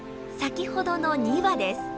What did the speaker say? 先ほどの２羽です。